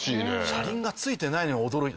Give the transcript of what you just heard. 車輪が付いてないのに驚いて。